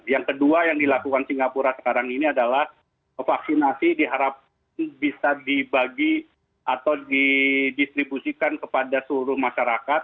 yang kedua yang dilakukan singapura sekarang ini adalah vaksinasi diharapkan bisa dibagi atau didistribusikan kepada seluruh masyarakat